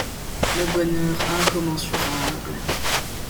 Le bonheur incommensurable…